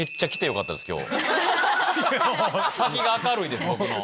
先が明るいです僕の。